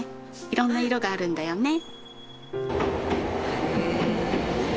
いろんな色があるんだよね。